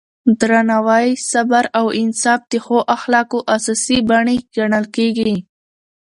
درناوی، صبر او انصاف د ښو اخلاقو اساسي بڼې ګڼل کېږي.